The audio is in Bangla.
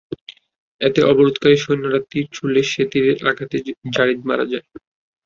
এতে অবরোধকারী সৈন্যরা তীর ছুঁড়লে সে তীরের আঘাতেই যারীদ মারা যায়।